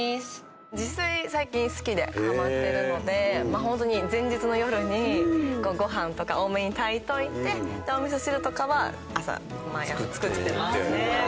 自炊最近好きでハマってるのでホントに前日の夜にご飯とか多めに炊いておいてお味噌汁とかは朝毎朝作ってますね。